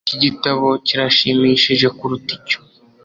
Iki gitabo kirashimishije kuruta icyo